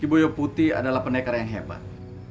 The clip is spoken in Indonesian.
kibuyo putih adalah penekar yang hebat